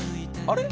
「あれ？